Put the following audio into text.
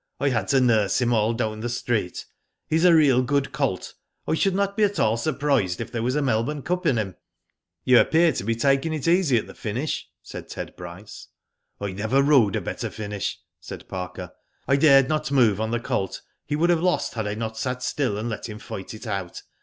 I had to nurse him all down the straight. He*s a real good colt, I should not be at all surprised if there was a Melbourne Cup in him." '* You appeared to be taking it easy at the finish," said Ted Bryce. *' I never rode a better finish," said Parker. '' I dared not move on the colt. He would have lost had I not sat still and let him fight it out.